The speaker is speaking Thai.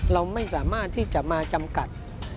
เราไม่สามารถที่จะมาจำกัด